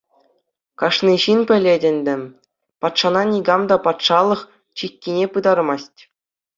Кашни ҫын пӗлет ӗнтӗ, патшана никам та патшалӑх чиккине пытармасть.